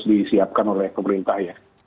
disiapkan oleh pemerintah ya